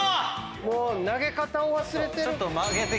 もう投げ方を忘れてる。